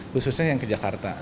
khususnya yang ke jakarta